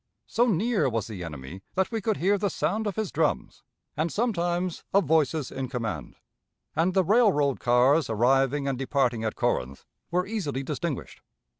So near was the enemy that we could hear the sound of his drums and sometimes of voices in command; and the railroad cars arriving and departing at Corinth were easily distinguished.